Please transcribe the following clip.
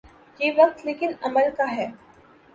یہ وقت لیکن عمل کا ہے۔